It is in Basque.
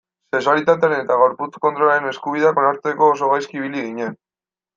Sexualitatearen eta gorputzaren kontrolaren eskubideak onartzeko oso gaizki ibili ginen.